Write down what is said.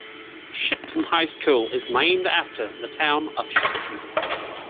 Shepton High School is named after the town of Shepton.